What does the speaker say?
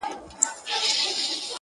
د شګوفو د پسرلیو وطن.!